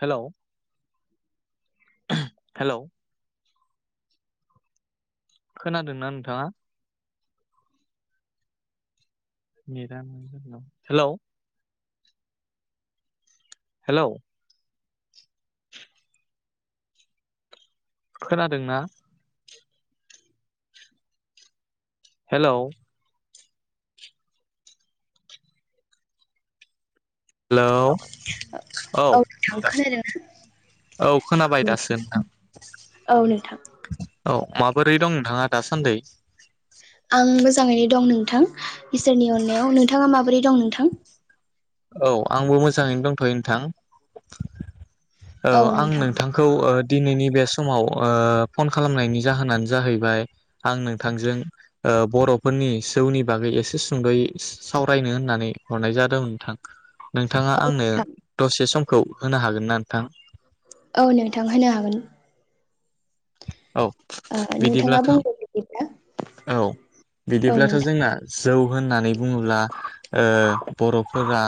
Hello- hello खोनादोना नोंथाङा। नेदा [inaudible] हेलौ हेलौ खोनादोंना। हेलोव हेलौ औ नोंथां औ खोनाबाय खोनादोंना दासो नोंथां [inaudible] औ नोंथां। औ माबोरै दं नोंथाङा दासान्दै। आं मोजाङैनो दं नोंथां इसोरनि अननायाव नोंथाङा माबोरै दं नोंथां। औ आंबो मोजाङैनो दंथ'यो नोंथां। औ आं नोंथांखौ ओ दिनैनि बे स समाव ओ फन खालामनायनि जाहोनानो जाहैबाय आं नोंथांजों ओ बर'फोरनि जौनि बागै एसे सुंद'यै सावरायनो होननानै हरनाय जादों नोंथां। नोंथाङा औ आंनो नोंथां दसे सम खौ होनो हागोन ना नोंथां। औ नोंथां होनो हागोन औ ओ नोंथाङा बिदिब्लाथ' बुंदो बिदिब्ला औ औ बिदिब्लाथ' नोंथां जोंना जौ होननानै बुङोब्ला बर'फोरा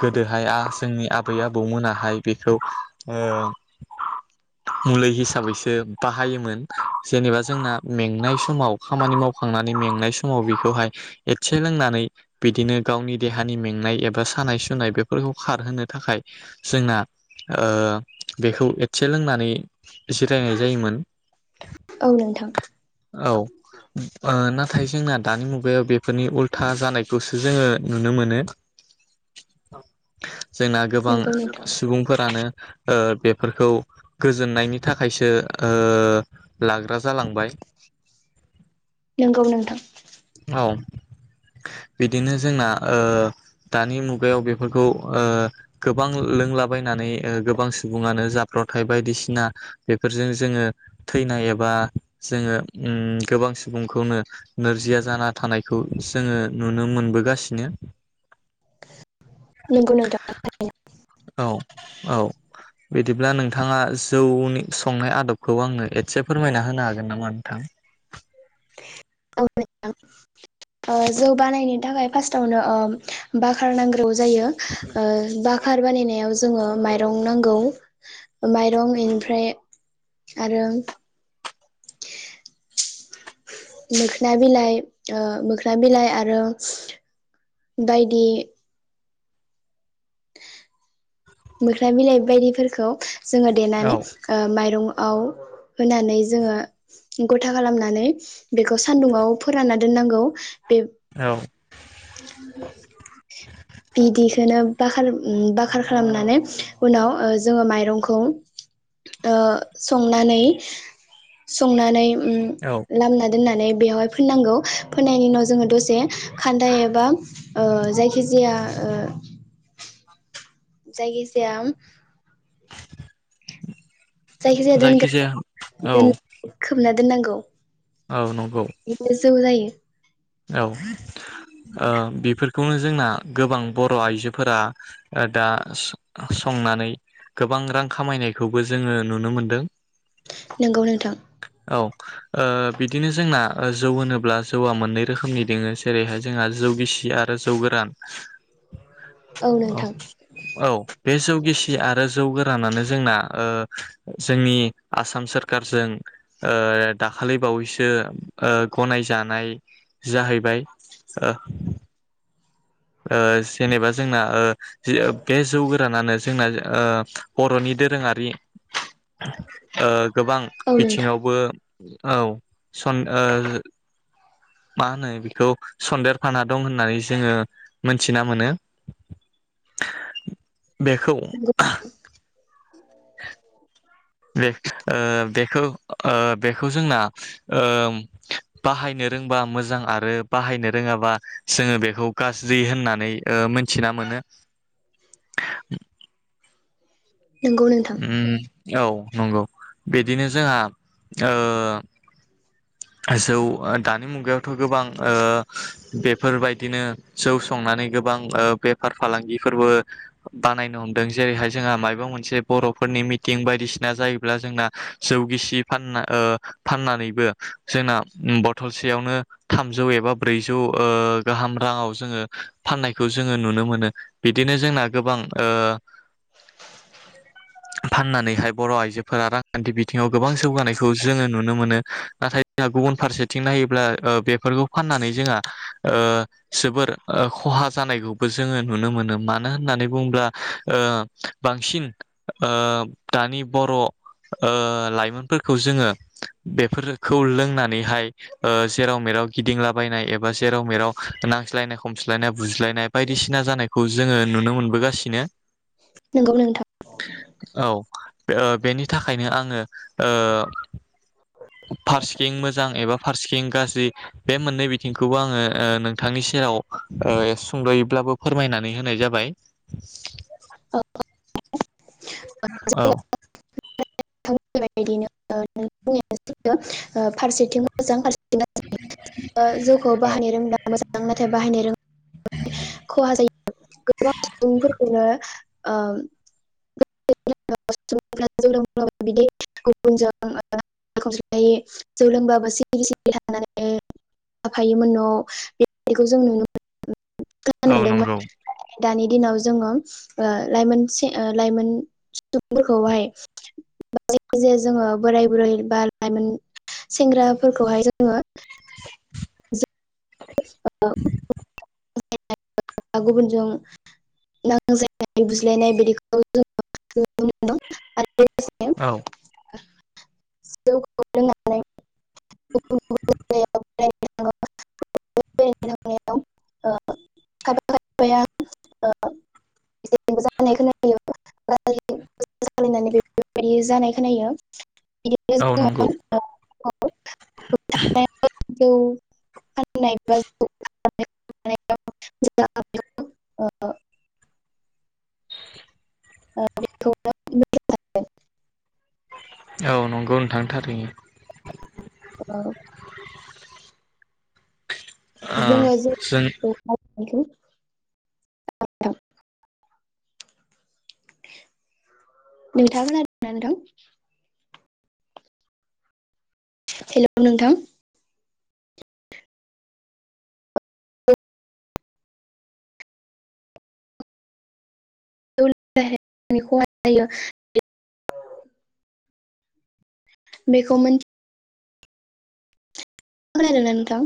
गोदोहाया जोंनि आबै -आबौ आबौ मोनाहाय बेखौ मुलि हिसाबैसो बाहायोमोन जेनेबा जोंना मेंनाय समाव खामानि मावखांनानै मेंनाय समाव बेखौहाय एसे लोंनानै बिदिनो गावनि देहानि मेंनाय एबा सानाय सुनाय बेफोरखौ खारहोनो थाखाय जोंना बेखौ एसे लोंनानै जायोमोन औ नोंथां औ नाथाय नाथाय जोंना दानि मु बे बेफोरनि उल्था जानाय खौसो जोङो नुनो मोनो जोंना गोबां नंगौ नोंथां सुबुंफोरानो बेफोरखौ गोजोननायनि थाखायसो ओ लाग्रा जालां बाय नंगौ नोंथां औ। बिदिनो जोंना ओ दानि मुगायाव बेफोरखौ ओ गोबां लोंलाबायनानै ओ गोबां सुबुङानो जाब्रथाय बायदिसिना बेफोरजों जोङो थैनाय एबा जोङो उम गोबां सुबुंखौनो नोरजिया जाना थानायखौ जोङो नुनो मोनबोगासिनो। नंगौ नोंथां औ औ बिदिब्ला नोंथाङा जौनि संनाय आदब खौ आङो एसे फोरमायना होनो हागोन नामा नोंथां? ओ जौ बानायनो थाखाय फार्सआवनो बाखोर नांगौ जायो ओ बाखार बानायनायाव जोङो माइरं नांगौ, माइरं बिनिफ्राय आरो मोखोना बिलाइ ओ मोखोन बिलाइ आरो बायदि मोखोना बिलाइ बायदिफोरखौ जोङो औ देनानै ओ माइरं आव होनानै जोङो गथा खालामनानै बेखौ सान्दुङाव फोरानना दोननांगौ। बे औ। बिदिखौनो बाखार बाखार खालामनानै उनाव जोङो माइरंखौ संनानै संनानै औ उम लामना दोन्नानै बेवहाय फोननांगौ फोननायनि उनाव जोङो दसे खान्था एबा ओ जायखिजाया ओ जायखि जाया जायखिजाया दोनगोन औ दोन खोबना दोननांगौ। औ नंगौ बिदिनो जौ जायो। औ ओ बेफोर बेखौनो जोंना गोबां बर' आइजोफोरा दा संनानै गोबां रां खामायनायखौबो जोङो नुनो मोनदों। नोंगौ नोंथां। औ ओ बिदिनो जोंना जौ होनोब्ला जौआ मोननै रोखोमनि दोङो जेरैहाय जोंहा जौ गिसि आरो जौ गोरान। औ औ। बे जौ गेसि आरो जौ गोरानानो जोंना ओ जोंनि आसाम सोरखारजों ओ दाखालि बावैसो ओ गनायजानाय जाहैबाय। ओ जेनेबा जोंना ओ जिये बे जौ गोरानानो जोंना ओ बर'नि दोरोङारि ओ गोबां औ नोंथां बिथिङावबो औ सन ओ मा होनो बेखौ सन्देरफाना दं होननानै जोङो मोनथिना मोनो। बेखौ नंगौ बे ओ बेखौ ओ बेखौ जोंना ओम बाहायनो रोंबा मोजां आरो बाहायनो रोङाबा जोङो बेखौ गाज्रि होननानै ओ मोनथिना मोनो। नंगौ नोंथां उम औ नंगौ बिदिनो जोंहा ओ जौ ओ दानि मुगायाव थ' गोबां ओ बेफोरबायदिनो जौ संनानै गोबां ओ बेफार फालांगिफोरबो बानायनो हमदों। जेरैहाय जोंहा मायबा मोनसे बर'फोरनि मिटिं बायदिसिना जायोब्ला जोंना जौ गिसि फानना ओ फाननानैबो जोंना बथलसेयावनो थामजौ एबा ब्रैजौ ओ गाहाम राङाव जोङो फाननायखौ जोङो नुनो मोनो। बिदिनो जोंना गोबां ओ फाननानैहाय बर' आइजोफोरा रांखान्थि बिथिङाव गोबां जौगानायखौ जोङो नुनो मोनो। नाथाय जोंहा गुबुन फारसेथिं नायोब्ला ओ बेफोरखौ फाननानै जोंहा ओ जोबोर खहा जानायखौबो जोङो नुनो मोनो। मानो होननानै बुङोब्ला ओ बांसिन ओ दानि बर' ओ लाइमोनफोरखौ जोङो बेफोर खौ लोंनानैहाय ओ जेराव मेराव गिदिंलाबायनाय एबा जेराव मेराव नांस्लायनाय खमस्लायनाय बुज्लायनाय बायदिसिना जानायखौ जोङो नुनो मोनबोगासिनो। नंगौ नोंथां। औ ओ बेनि थाखायनो आङो ओ फारसेथिं मोजां एबा फारसेथिं गाज्रि बे मोननै बिथिंखौबो आङो ओ नोंथांनि सेराव ओइ सुंद'यैब्लाबो फोरमायनानै होनाय जाबाय। औ औ। [unintelligible] बायदिनो [unintelligible] फारसेथिं मोजां फारसेथिं [unintelligible] ओ जौखौ बाहायनो रोंब्ला मोजां नाथाय बाहायनो [unintelligible] खहा जायो। गोबां सुबुंफोरखौनो ओ [unintelligible] सुबुं [unintelligible] बिदि गुबुनजों जौ लोंबाबो [unintelligible] जों नुनो। [unintelligible] औ नंगौ [unintelligible] दानि दिनाव जोङो ओ लाइमोन से ओ लाइमोन सुबुंफोरखौहाय जे जोङो बोराय बुरै बा लाइमोन सेंग्राफोरखौहाय जोङो [unintelligible] गुबुनजों नांज्लायनाय बुज्लायनाय बिदिखौ जों नुनो मोनदों। आरो लोगोसे औ। जौखौ लोंनानै [unintelligible] [unintelligible] [unintelligible] बेफोरबायदि जानाय खोनायो। औ नंगौ [unintelligible] औ। [inaudible] जौ। [unintelligible] [unintelligible] [unintelligible] औ नंगौ नोंथां थारैनो औ [unintelligible] जोङो जौ ओ जों [unintelligible] [unintelligible] नोंथां नोंथाङा खोनादोंना नोंथां हेलौ नोंथां [unintelligible] बेखौमोन खोनादोंना नोंथां